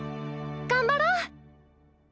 頑張ろう！